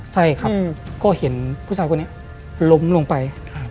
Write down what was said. ใช่ครับก็เห็นผู้ชายคนนี้ล้มลงไป